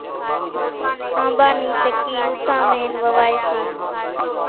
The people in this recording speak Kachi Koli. آنٻا نِي چڪِي اُوٿامينَ ووائيَ سي۔